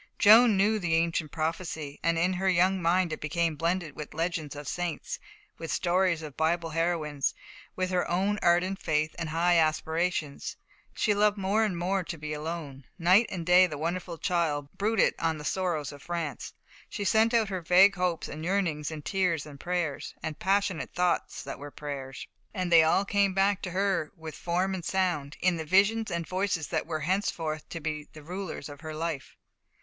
Joan knew the ancient prophecy, and in her young mind it became blended with legends of the saints, with stories of Bible heroines, with her own ardent faith and high aspirations. She loved more and more to be alone. Night and day the wonderful child brooded on the sorrows of France. She sent out her vague hopes and yearnings in tears and prayers, and passionate thoughts that were prayers, and they all came back to her with form and sound, in the visions and voices that were henceforth to be the rulers of her life.